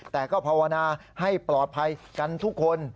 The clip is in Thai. แต่ก็ภาวนาให้ปลอดภัยกันทุกคน